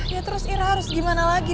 ya terus ira harus gimana lagi